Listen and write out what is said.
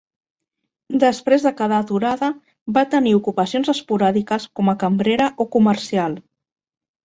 Després de quedar aturada va tenir ocupacions esporàdiques com a cambrera o comercial.